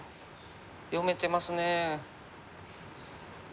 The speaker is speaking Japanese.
読めてますね。